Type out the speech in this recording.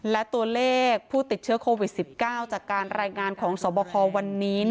และตัวเลขผู้ติดเชื้อโควิด๑๙จากการรายงานของสวบควันนี้